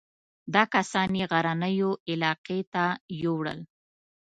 دا کسان یې غرنیو علاقو ته یووړل.